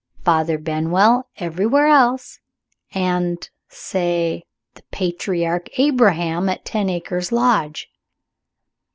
Father Benwell everywhere else; and say, the patriarch Abraham at Ten Acres Lodge."